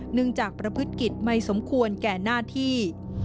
จากประพฤติกิจไม่สมควรแก่หน้าที่